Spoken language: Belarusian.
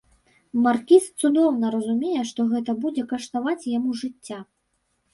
Маркіз цудоўна разумее, што гэта будзе каштаваць яму жыцця.